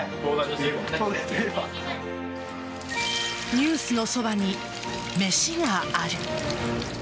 「ニュースのそばに、めしがある。」